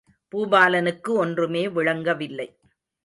பூபாலனுக்கு ஒன்றுமே விளங்கவில்லை.